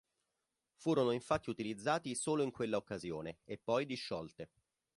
Furono infatti utilizzati solo in quella occasione, e poi disciolte.